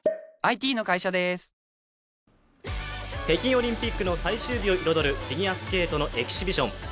北京オリンピックの最終日を彩るフィギュアスケートのエキシビション。